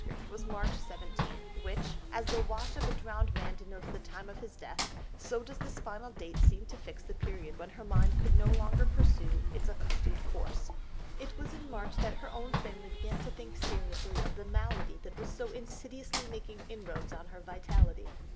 was March 17, which, "as the watch of a drowned man denotes the time of his death, so does this final date seem to fix the period when her mind could no longer pursue its accustomed course." It was in March that her own family began to think seriously of the malady that was so insidiously making inroads on her vitality.